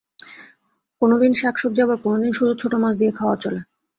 কোনো দিন শাকসবজি, আবার কোনো দিন শুধু ছোট মাছ দিয়ে খাওয়া চলে।